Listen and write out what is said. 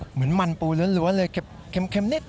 เหมือนมันปูเลือนเลยเข็มนิดอร่อย